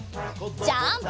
ジャンプ！